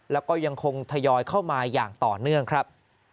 แล้วก็ยังคงทยอยเข้ามาอย่างต่อเนื่องครับ